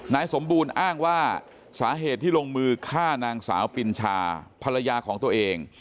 นายสมบูรณ์อ้างว่าสาเหตุที่ลงมือฆ่านางสาวปินชาภรรยาของตัวเอง